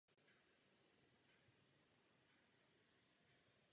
Album nese název "Different World" dle titulní písničky.